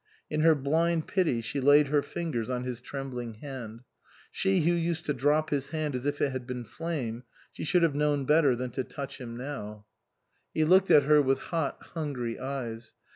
In her blind pity she laid her fingers on his trembling hand. She who used to drop his hand as if it had been flame, she should have known better than to touch him now. 183 THE COSMOPOLITAN He looked at her with hot hungry eyes.